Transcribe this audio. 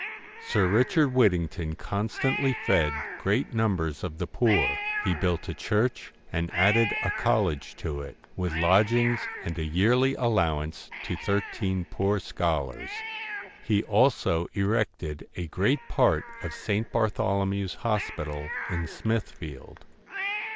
Sir Richard Whittington constantly fed great numbers of the poor : he built a church, and added a college to it, with lodgings, and a yearly allow ance to thirteen poor scholars. He also erected a great part of St. Bartholomew's Hospital in Smithfield.